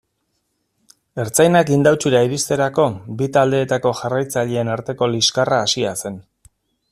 Ertzainak Indautxura iristerako, bi taldeetako jarraitzaileen arteko liskarra hasia zen.